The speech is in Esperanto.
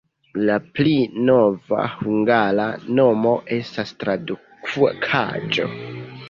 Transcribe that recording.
La pli nova hungara nomo estas tradukaĵo.